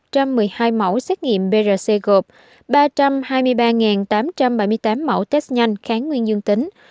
trong số chín trăm sáu mươi ba một trăm một mươi hai mẫu xét nghiệm brc gộp ba trăm hai mươi ba tám trăm bảy mươi tám mẫu test nhanh kháng nguyên dương tính